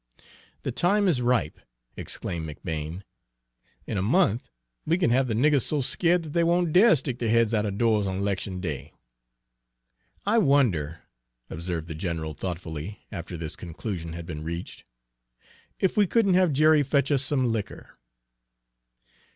"The time is ripe!" exclaimed McBane. "In a month we can have the niggers so scared that they won't dare stick their heads out of doors on 'lection day." "I wonder," observed the general thoughtfully, after this conclusion had been reached, "if we couldn't have Jerry fetch us some liquor?"